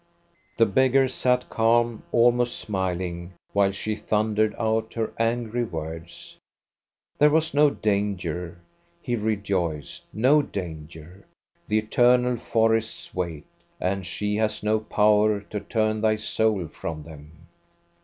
The beggar sat calm, almost smiling, while she thundered out her angry words. There was no danger, 20 INTRODUCTION he rejoiced, no danger. The eternal forests wait, and she has no power to turn thy soul from them.